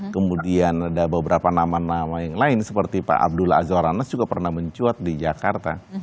kemudian ada beberapa nama nama yang lain seperti pak abdullah azwar anas juga pernah mencuat di jakarta